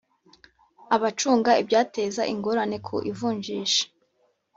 Abacunga ibyateza ingorane ku ivunjisha